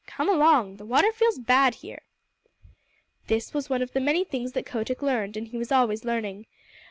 Come along! The water feels bad here." This was one of very many things that Kotick learned, and he was always learning.